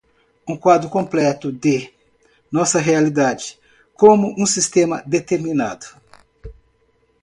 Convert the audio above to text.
um quadro completo de, nossa realidade, como um sistema determinado